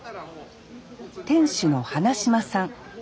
店主の花島さん。